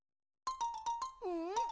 うん？